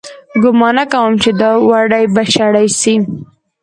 گومان نه کوم چې دا وړۍ به شړۍ سي